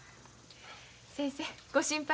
先生ご心配なく。